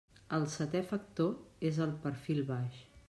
El seté factor és el perfil baix.